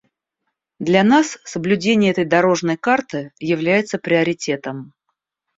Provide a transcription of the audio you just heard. Для нас соблюдение этой «дорожной карты» является приоритетом.